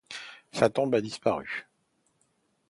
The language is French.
Sa tombe a disparu.